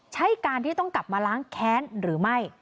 ใช่การที่ต้องกลับมาล้างแค้นหรือไม่